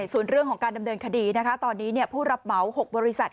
ส่วนเรื่องของการดำเนินคดีนะคะตอนนี้ผู้รับเหมา๖บริษัท